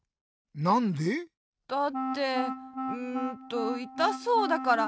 なんで？だってうんといたそうだから。